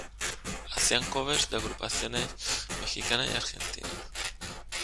Hacían covers de agrupaciones mexicanas y argentinas.